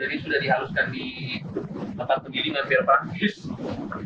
dan ini sudah dihaluskan di tempat pemilingan biar praktis